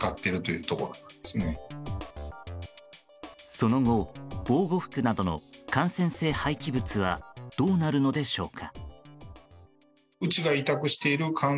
その後、防護服などの感染性廃棄物はどうなるのでしょうか。